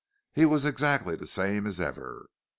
He was exactly the same as ever.